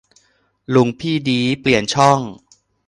"ลุงพี่ดี้" เปลี่ยนช่อง